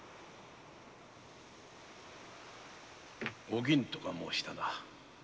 お銀とか申したな。